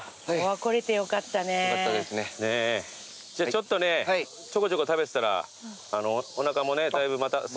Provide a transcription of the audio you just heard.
ちょっとねちょこちょこ食べてたらおなかもねだいぶまたすいてきたでしょ。